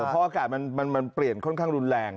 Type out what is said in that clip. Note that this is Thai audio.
เพราะอากาศมันเปลี่ยนค่อนข้างรุนแรง